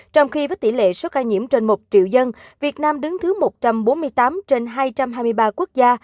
trong khi với tỷ lệ số ca nhiễm trên một triệu dân việt nam đứng thứ một trăm bốn mươi tám trên hai trăm hai mươi ba quốc gia